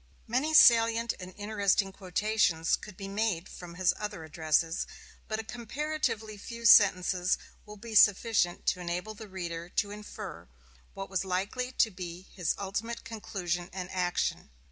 Many salient and interesting quotations could be made from his other addresses, but a comparatively few sentences will be sufficient to enable the reader to infer what was likely to be his ultimate conclusion and action.